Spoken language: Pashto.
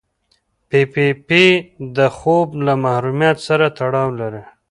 پي پي پي د خوب له محرومیت سره تړاو لري.